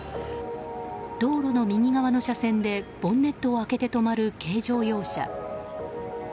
道路の右側の車線でボンネットを開けて止まる軽乗用車。